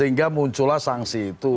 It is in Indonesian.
kemudian muncullah sanksi itu